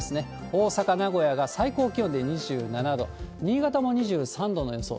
大阪、名古屋が最高気温で２７度、新潟も２３度の予想。